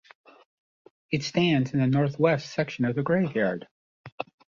It stands in the north-west section of the graveyard.